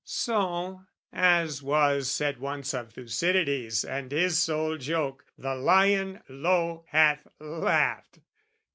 So, as was said once of Thucydides And his sole joke, "The lion, lo, hath laughed!"